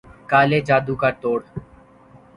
کالے جادو کا توڑ